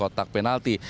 di kotak penalti